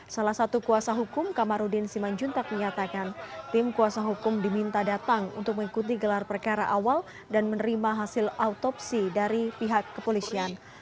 salah satu kuasa hukum kamarudin simanjuntak menyatakan tim kuasa hukum diminta datang untuk mengikuti gelar perkara awal dan menerima hasil autopsi dari pihak kepolisian